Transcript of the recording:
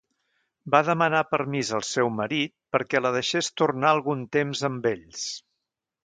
Va demanar permís al seu marit perquè la deixés tornar algun temps amb ells.